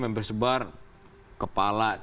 yang bersebar kepala